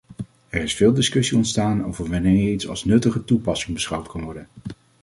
Er is veel discussie ontstaan over wanneer iets als nuttige toepassing beschouwd kan worden.